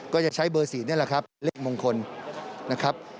ก็จะใช้เบอร์๔นี่แหละครับเลขมงคลนะครับ